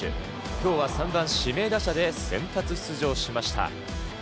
きょうは３番・指名打者で先発出場しました。